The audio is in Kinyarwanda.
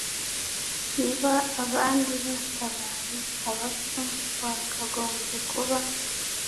Niba abandi batabaye abapfu twakagombye kuba.